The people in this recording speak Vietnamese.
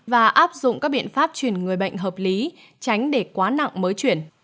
và áp dụng các biện pháp chuyển người bệnh hợp lý tránh để quá nặng mới chuyển